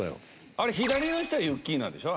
あれ左の人はユッキーナでしょ？